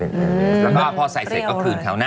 แล้วก็พอใส่เสร็จก็คืนเขานะ